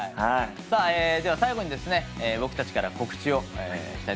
では最後に僕たちから告知をしたいと思います。